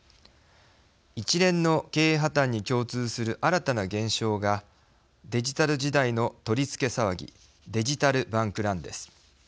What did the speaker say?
一連の経営破綻に共通する新たな現象がデジタル時代の取り付け騒ぎデジタル・バンク・ランです。